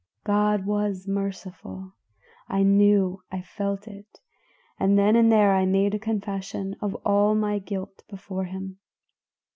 God was merciful I knew, I felt it; and then and there I made confession of all my guilt before him.